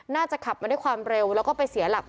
น่าจะขับมาด้วยความเร็วแล้วก็ไปเสียหลัก